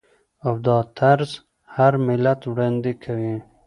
او دا طرز هر ملت وړاندې کوي.